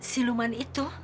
si luman itu